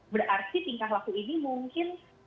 berarti tingkah laku ini mungkin